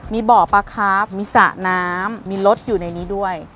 มีบ่อปลาครับมีสระน้ำมีรถอยู่ในนี้ด้วย